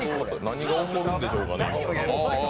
何が起こるんでしょうかね。